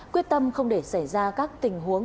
quyết tâm không để xảy ra các tình huống